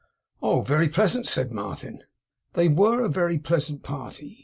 'Oh! very pleasant,' said Martin. They were a very pleasant party.